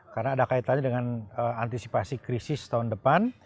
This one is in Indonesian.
karena ada kaitannya dengan antisipasi krisis tahun depan